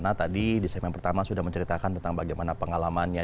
bersama ayana tadi di sedang pertama sudah menceritakan tentang bagaimana pengalamannya